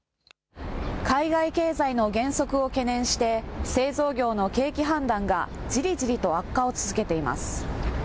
海外経済の減速を懸念して製造業の景気判断がじりじりと悪化を続けています。